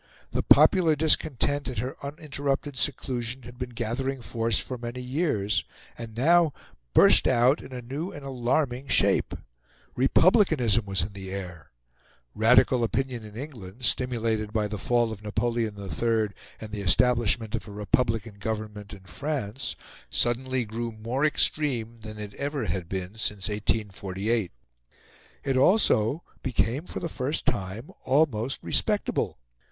The popular discontent at her uninterrupted seclusion had been gathering force for many years, and now burst out in a new and alarming shape. Republicanism was in the air. Radical opinion in England, stimulated by the fall of Napoleon III and the establishment of a republican government in France, suddenly grew more extreme than it ever had been since 1848. It also became for the first time almost respectable.